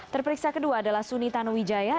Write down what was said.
terperiksa kedua adalah suni tanuwijaya